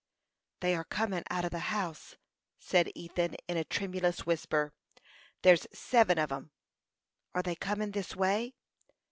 "They are comin' out of the house," said Ethan, in a tremulous whisper. "There's seven on 'em." "Are they coming this way?"